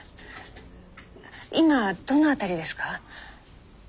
今どの辺りですか？